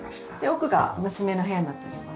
奥が娘の部屋になっております。